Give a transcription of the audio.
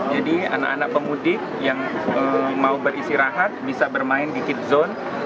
jadi anak anak pemudik yang mau beristirahat bisa bermain di kit zone